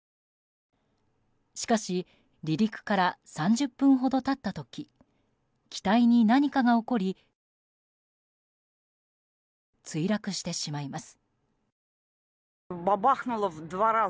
しかし、離陸から３０分ほどが経った時機体に何かが起こり墜落してしまいます。